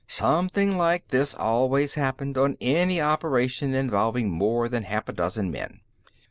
Something like this always happened, on any operation involving more than half a dozen men.